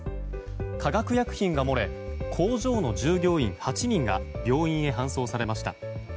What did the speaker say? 化学薬品が漏れ工場の従業員８人が病院へ搬送されました。